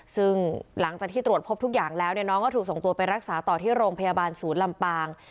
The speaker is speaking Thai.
ซึ่งหลังจากที่ตรวจพบทุกอย่างแล้วเนี่ยน้องก็ถูกส่งตัวไปรักษาต่อที่โรงพยาบาลศูนย์ลำปาง